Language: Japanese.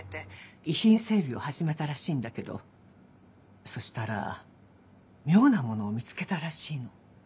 遺品整理を始めたらしいんだけどそしたら妙なものを見つけたらしいの。